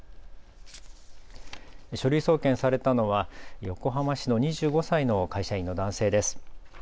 書類送検されたのは横浜市の２５歳の会社員の男性です。